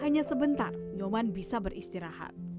hanya sebentar nyoman bisa beristirahat